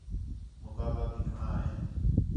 مقابلہ بھی گھݨاں ہِے